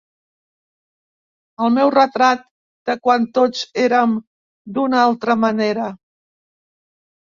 El meu retrat de quan tots érem d'una altra manera.